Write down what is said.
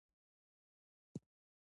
باسواده ښځې کتابتونونه جوړوي.